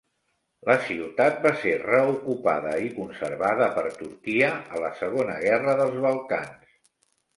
La ciutat va ser reocupada i conservada per Turquia a la Segona Guerra dels Balcans.